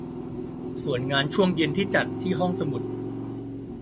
ส่วนงานช่วงเย็นที่จัดที่ห้องสมุด